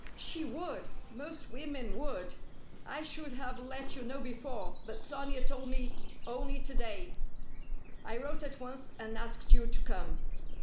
"She would! Most women would. I should have let you know before, but Sonia told me only to day. I wrote at once and asked you to come."